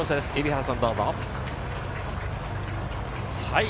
蛯原さん、どうぞ。